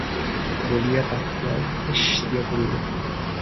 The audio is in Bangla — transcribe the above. বলিয়া তাকিয়ায় ঠেস দিয়া পড়িল।